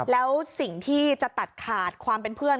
แล้วสิ่งที่จะตัดขาดความเป็นเพื่อน